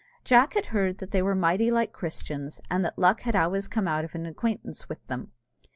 Jack had heard that they were mighty like Christians, and that luck had always come out of an acquaintance with them.